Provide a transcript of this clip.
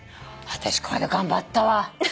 私こないだ頑張ったわ。